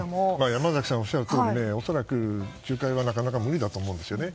山崎さんがおっしゃるとおり恐らく、仲介はなかなか無理だと思うんですよね。